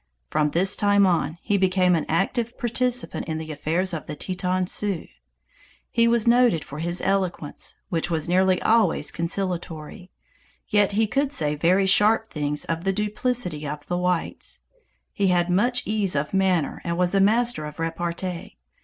From this time on he became an active participant in the affairs of the Teton Sioux. He was noted for his eloquence, which was nearly always conciliatory, yet he could say very sharp things of the duplicity of the whites. He had much ease of manner and was a master of repartee.